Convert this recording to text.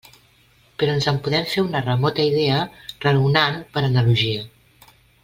Però ens en podem fer una remota idea raonant per analogia.